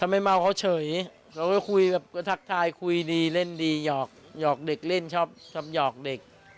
แม่ของแม่ของแม่แม่ของแม่